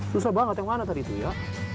susah banget yang mana tadi itu ya